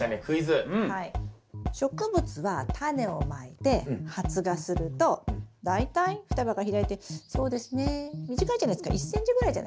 植物はタネをまいて発芽すると大体双葉が開いてそうですね短いじゃないですか１ｃｍぐらいじゃないですか。